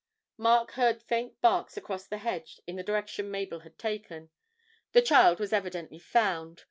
Mark heard faint barks across the hedge in the direction Mabel had taken. The child was evidently found.